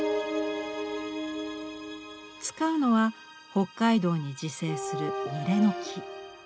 使うのは北海道に自生する楡の木。